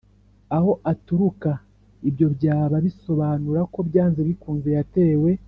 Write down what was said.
aho aturuka ibyo byaba bisobanura ko byanze bikunze yatewe